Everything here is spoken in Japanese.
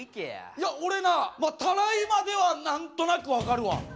いや俺なたらいまでは何となく分かるわ。